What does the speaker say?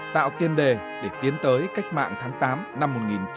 tạo tiền đề để tiến tới cách mạng tháng tám năm một nghìn chín trăm bốn mươi năm